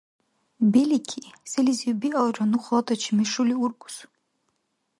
Белики, селизив-биалра, ну халатачи мешули ургус.